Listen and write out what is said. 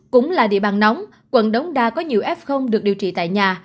cũng là địa bàn nóng quận đống đa có nhiều f được điều trị tại nhà